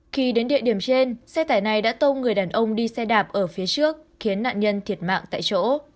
khi đến địa điểm trên xe tải này đã tông người đàn ông đi xe đạp ở phía trước khiến nạn nhân thiệt mạng tại chỗ